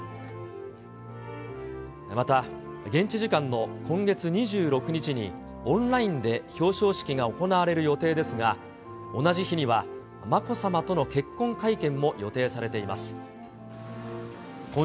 また現地時間の今月２６日に、オンラインで表彰式が行われる予定ですが、同じ日にはまこさまとの結婚会見も予定されています。